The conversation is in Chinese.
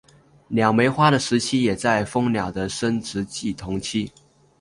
鸟媒花的花期也与蜂鸟的生殖季同期。